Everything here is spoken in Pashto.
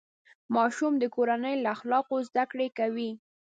ماشوم د کورنۍ له اخلاقو زده کړه کوي.